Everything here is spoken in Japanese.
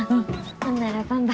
ほんならばんば。